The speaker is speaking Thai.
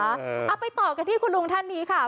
เอาไปต่อกันที่คุณลุงท่านนี้ค่ะ